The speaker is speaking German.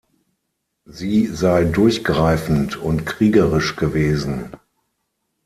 Sie sei durchgreifend und kriegerisch gewesen.